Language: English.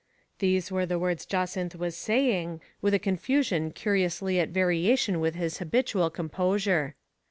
These were the words Jacynth was say ing, with a confusion curiously at variation with his habitual composure.